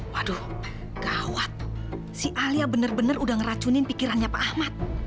waduh gawat si alia bener bener udah ngeracunin pikirannya pak ahmad